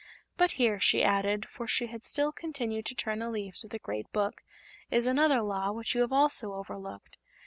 "But here," she added, for she had still continued to turn the leaves of the Great Book, "is another Law which you have also overlooked.